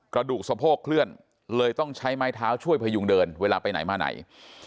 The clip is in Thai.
กระดูกสะโพกเคลื่อนเลยต้องใช้ไม้เท้าช่วยพยุงเดินเวลาไปไหนมาไหน